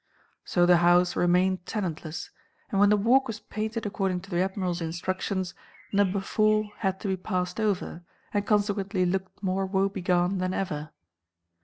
So the house remained tenantless, and when the Walk was painted according to the Admiral's instructions, Number Four had to be passed over, and consequently looked more woe begone than ever.